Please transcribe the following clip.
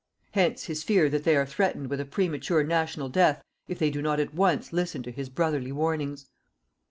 Hence, his fear that they are threatened with a premature national death if they do not at once listen to his brotherly warnings.